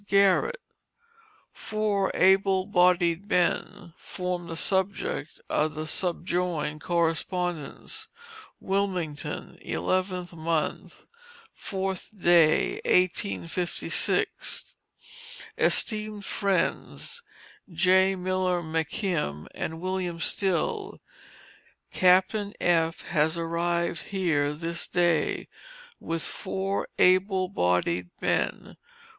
GARRETT. "Four able bodied men," form the subject of the subjoined correspondence: WILMINGTON, 11th mo., 4th, 1856. ESTEEMED FRIENDS, J. Miller McKim and William Still: Captain F., has arrived here this day, with four able bodied men.